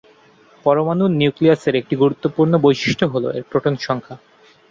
পরমাণুর নিউক্লিয়াসের একটি গুরুত্বপূর্ণ বৈশিষ্ট্য হল এর প্রোটন সংখ্যা।